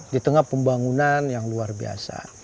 di tengah pembangunan yang luar biasa